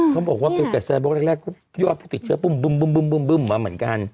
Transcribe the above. เขาบอกว่าภูเก็ตแซนบล็อกแรกก็ย่อพฤติเชื้อปุ้มมาเหมือนกัน